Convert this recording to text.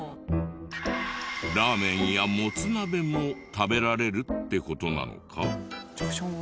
ラーメンやもつ鍋も食べられるって事なのか？